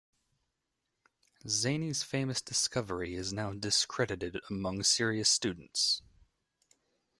Zani's famous discovery is now discredited among serious students.